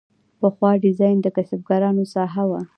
پخوا ډیزاین د کسبکارانو ساحه وه.